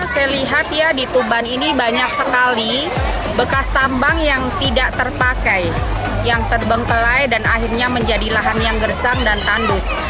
saya lihat ya di tuban ini banyak sekali bekas tambang yang tidak terpakai yang terbengkelai dan akhirnya menjadi lahan yang gersang dan tandus